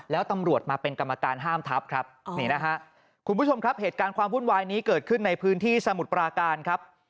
แล้วตำรวจมาเป็นกรรมการห้ามทัพครับ